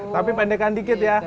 tapi pendekan dikit ya